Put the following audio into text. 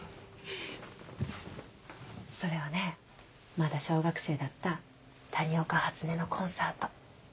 それはねまだ小学生だった谷岡初音のコンサート。